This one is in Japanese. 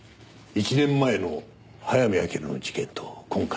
１年前の早見明の事件と今回の事件